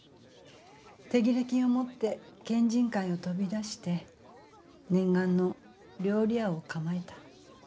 手切れ金を持って県人会を飛び出して念願の料理屋を構えた。